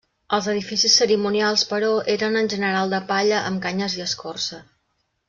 Els edificis cerimonials, però, eren en general de palla amb canyes i escorça.